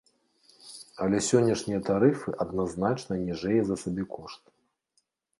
Але сённяшнія тарыфы адназначна ніжэй за сабекошт.